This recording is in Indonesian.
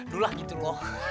duloh gitu loh